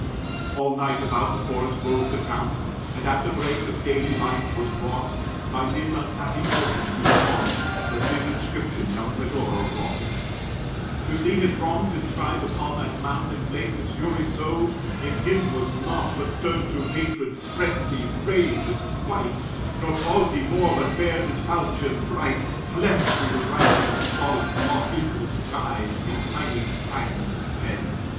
All night about the forest roved the count, And, at the break of daily light, was brought By his unhappy fortune to the fount, Where his inscription young Medoro wrought. To see his wrongs inscribed upon that mount Inflamed his fury so, in him was naught But turned to hatred, frenzy, rage, and spite; Nor paused he more, but bared his falchion bright, Cleft through the writing; and the solid block, Into the sky, in tiny fragments sped.